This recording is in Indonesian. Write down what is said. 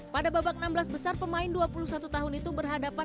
pada babak enam belas besar pemain dua puluh satu tahun itu berhadapan